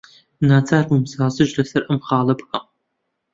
ناچار بووم سازش لەسەر ئەم خاڵە بکەم.